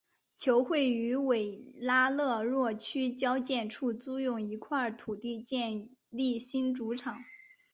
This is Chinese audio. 球会于维拉勒若区交界处租用一块土地建立新主场。